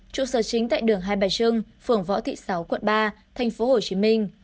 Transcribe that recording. trụ sở chính tại đường hai bà trưng phường võ thị sáu quận ba thành phố hồ chí minh